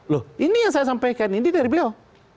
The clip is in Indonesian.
loh ini yang saya sampaikan ini dari beliau